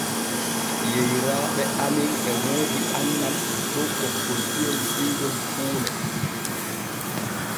Yeyraaɓe amen e woodi annal dow kokkontirol dingol kuule.